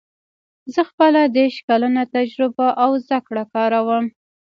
زه خپله دېرش کلنه تجربه او زده کړه کاروم